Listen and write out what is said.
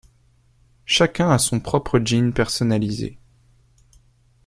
Chacun a son propre jean personnalisé.